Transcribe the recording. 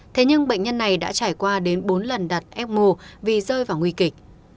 thế nhưng bệnh nhân này đã trải qua đến bốn lần đặt ecmo vì rơi vào nguy kịch